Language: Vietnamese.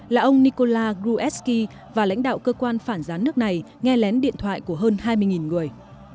là ông nikola gru eski và lãnh đạo cơ quan phản gián nước này nghe lén điện thoại của hơn hai mươi người